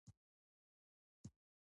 دا داستان د انسانانو ترمنځ مینه پیدا کوي.